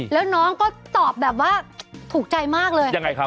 แล้วน้องก็ตอบแบบว่าถูกใจมากเลย